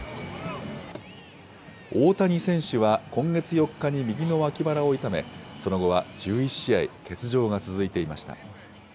大谷選手は今月４日に右の脇腹を痛め、その後は１１試合欠場が続いていました。